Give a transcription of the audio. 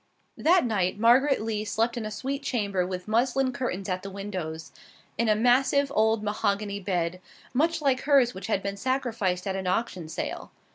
That night Margaret Lee slept in a sweet chamber with muslin curtains at the windows, in a massive old mahogany bed, much like hers which had been sacrificed at an auction sale.